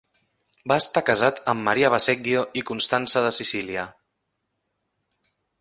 Va estar casat amb Maria Baseggio i Constança de Sicília.